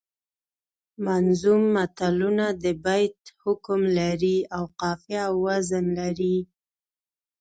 منظوم متلونه د بیت حکم لري او قافیه او وزن لري